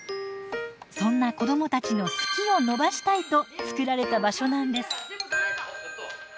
そんな子どもたちの「好き」を伸ばしたいと作られた場所なんです。